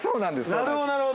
なるほどなるほど。